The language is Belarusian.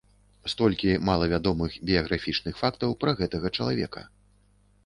Столькі малавядомых біяграфічных фактаў пра гэтага чалавека.